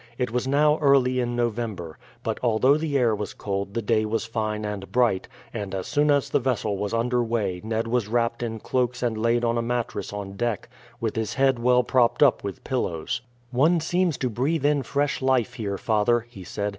It was now early in November, but although the air was cold the day was fine and bright, and as soon as the vessel was under weigh Ned was wrapped up in cloaks and laid on a mattress on deck, with his head well propped up with pillows. "One seems to breathe in fresh life here, father," he said.